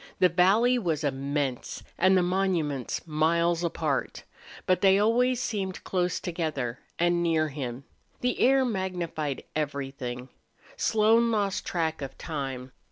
The valley was immense and the monuments miles apart. But they always seemed close together and near him. The air magnified everything. Slone lost track of time.